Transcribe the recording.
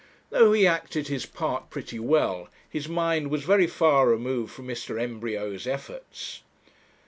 Though he acted his part pretty well, his mind was very far removed from Mr. Embryo's efforts.